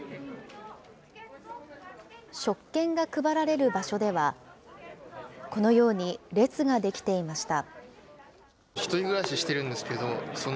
食券が配られる場所では、このように、列が出来ていました。